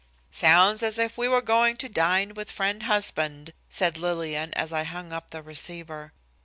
"Sounds as if we were going to dine with Friend Husband," said Lillian, as I hung up the receiver.